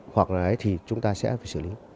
hoặc là đấy thì chúng ta sẽ phải xử lý